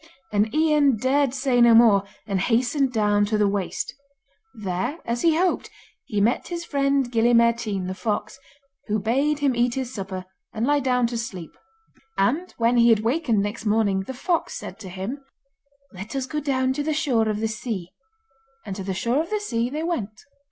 And Ian dared say no more, and hastened down to the waste. There, as he hoped, he met his friend Gille Mairtean the fox, who bade him eat his supper and lie down to sleep. And when he had wakened next morning the fox said to him: 'Let us go down to the shore of the sea.' And to the shore of the sea they went.